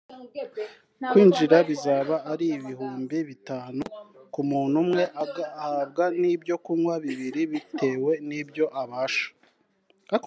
Kwinjira bizaba ari ibihumbi bitanu ku muntu umwe agahabwa n’ibyo kunywa bibiri bitewe n'ibyo abasha